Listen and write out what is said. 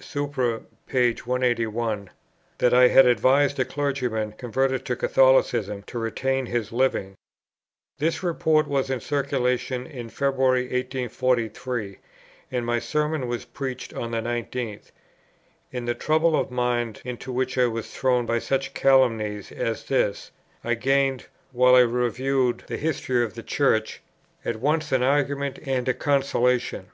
supr._ p. 181), that I had advised a clergyman converted to Catholicism to retain his Living. This report was in circulation in February 1843, and my Sermon was preached on the 19th. In the trouble of mind into which I was thrown by such calumnies as this, I gained, while I reviewed the history of the Church, at once an argument and a consolation.